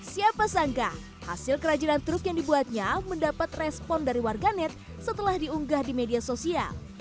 siapa sangka hasil kerajinan truk yang dibuatnya mendapat respon dari warganet setelah diunggah di media sosial